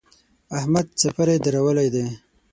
احمد څپری درولی دی.